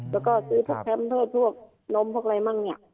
แล้วก็ซื้อพวกแคมป์พวกนมพวกอะไรมั่งเนี่ย